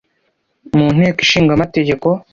mu Nteko ishinga amategeko